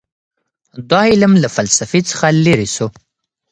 دا علم له فلسفې څخه لیرې سو.